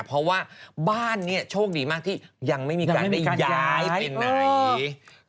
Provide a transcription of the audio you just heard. เพราะว่าบ้านนี้โชคดีมากที่ยังไม่มีการได้ย้ายไปไหน